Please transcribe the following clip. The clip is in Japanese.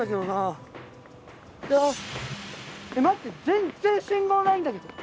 全然信号ないんだけど。